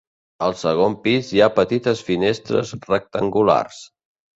Al segon pis hi ha petites finestres rectangulars.